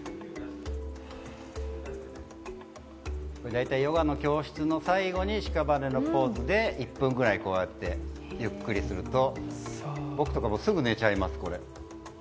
だいたいヨガの教室の最後にしかばねのポーズで１分くらいゆっくりすると、僕とかすぐ寝ちゃいます。